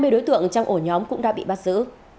hai mươi đối tượng trong ổ nhóm cũng đã bị bắt giữ